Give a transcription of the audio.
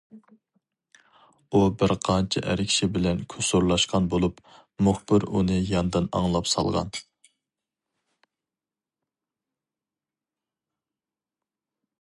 ئۇ بىر قانچە ئەر كىشى بىلەن كۇسۇرلاشقان بولۇپ، مۇخبىر ئۇنى ياندىن ئاڭلاپ سالغان.